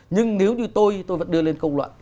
nhưng nếu như tôi tôi vẫn đưa lên công luận